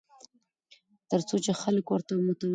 تر څو چې خلک ورته متوجع شي.